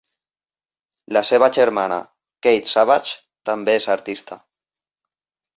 La seva germana, Kate Savage, també és artista.